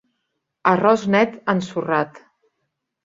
Arròs net ensorrat...